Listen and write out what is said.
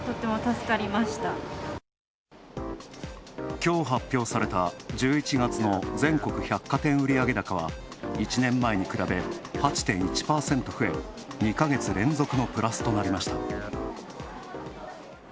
きょう発表された１１月の全国百貨店売上高は１年前に比べ８．１％増え２か月連続のプラスとなりました。